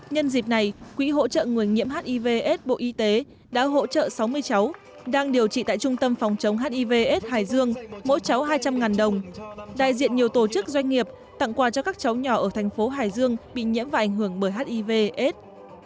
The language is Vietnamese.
nhân dịp này quỹ hỗ trợ người nhiễm hivs bộ y tế đã hỗ trợ sáu mươi cháu đang điều trị tại trung tâm phòng chống hiv s hải dương mỗi cháu hai trăm linh đồng đại diện nhiều tổ chức doanh nghiệp tặng quà cho các cháu nhỏ ở thành phố hải dương bị nhiễm và ảnh hưởng bởi hiv aids